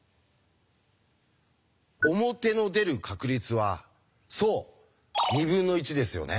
表の出る確率はそう２分の１ですよね。